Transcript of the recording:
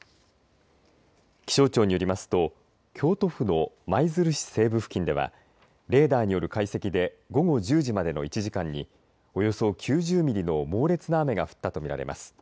気象庁によりますと京都府の舞鶴市西部付近ではレーダーによる解析で午後１０時までの１時間におよそ９０ミリの猛烈な雨が降ったと見られます。